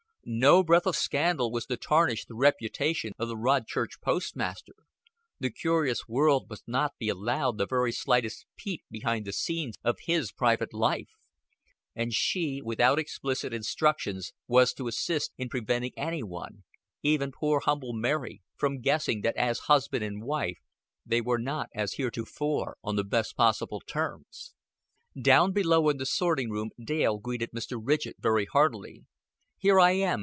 No breath of scandal was to tarnish the reputation of the Rodchurch postmaster; the curious world must not be allowed the very slightest peep behind the scenes of his private life; and she, without explicit instructions, was to assist in preventing any one even poor humble Mary from guessing that as husband and wife they were not as heretofore on the best possible terms. Down below in the sorting room Dale greeted Mr. Ridgett very heartily. "Here I am.